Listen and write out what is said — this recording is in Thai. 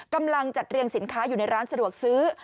กำลังจัดเรียงสินค้าอยู่ในร้านสะดวกซื้อ